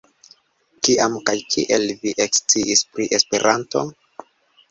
Kiam kaj kiel vi eksciis pri Esperanto?